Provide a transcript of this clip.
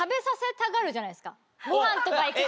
ご飯とか行くと。